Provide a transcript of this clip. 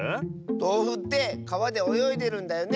とうふってかわでおよいでるんだよね。